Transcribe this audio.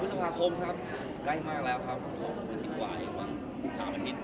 พฤษภาคมครับใกล้มากแล้วครับ๒อาทิตย์กว่าอีกวัน๓อาทิตย์